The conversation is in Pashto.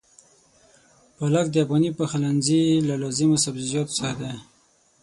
پالک د افغاني پخلنځي له لازمو سبزيجاتو څخه دی.